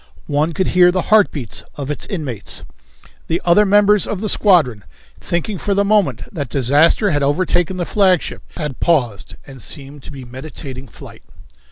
One could hear the heartbeats of its inmates. The other members of the squadron, thinking for the moment that disaster had overtaken the flagship, had paused and seemed to be meditating flight.